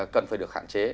cần phải được hạn chế